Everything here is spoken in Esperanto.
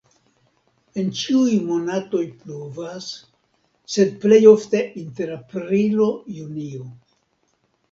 En ĉiuj monatoj pluvas, sed plej ofte inter aprilo-junio.